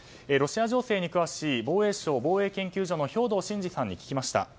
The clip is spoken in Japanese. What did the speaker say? ロシア情勢に詳しい防衛省防衛研究所の兵頭慎治さんに聞きました。